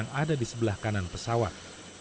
yang ada di sebelah kanan pesawat